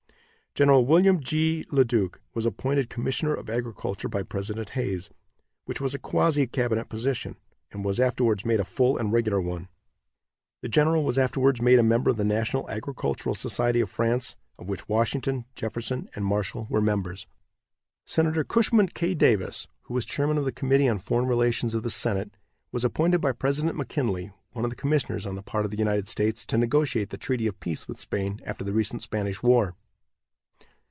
Gen. William G. Le Duc was appointed commissioner of agriculture by President Hayes, which was a quasi cabinet position, and was afterwards made a full and regular one. The general was afterwards made a member of the National Agricultural Society of France, of which Washington, Jefferson and Marshall were members. Senator Cushman K. Davis, who was chairman of the committee on foreign relations of the senate, was appointed by President McKinley one of the commissioners on the part of the United States to negotiate the treaty of peace with Spain after the recent Spanish war.